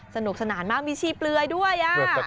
สนุกสนานมากมีชีเปลือยด้วย